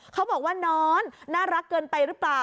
เขาบอกว่าน้อนน่ารักเกินไปหรือเปล่า